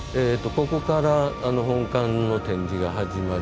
ここから本館の展示が始まります。